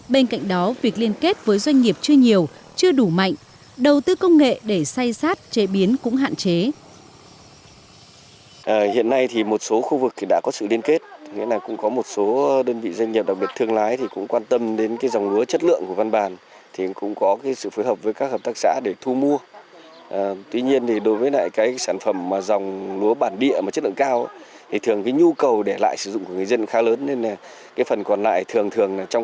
bên cạnh đó việc liên kết với doanh nghiệp chưa nhiều chưa đủ mạnh đầu tư công nghệ để say sát chế biến cũng hạn chế